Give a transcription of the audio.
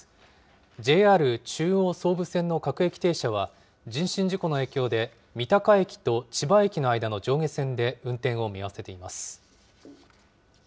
ＪＲ中央・総武線の各駅停車は、人身事故の影響で三鷹駅と千葉駅の間の上下線で運転を見合わせています。